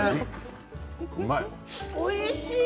おいしい。